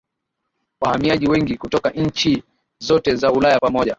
wahamiaji wengi kutoka nchi zote za Ulaya pamoja